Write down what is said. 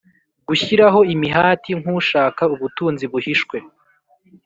gushyiraho imihati nk ushaka ubutunzi buhishwe